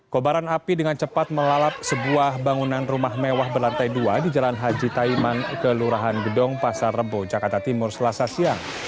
kobaran api dengan cepat melalap sebuah bangunan rumah mewah berlantai dua di jalan haji taiman kelurahan gedong pasar rebo jakarta timur selasa siang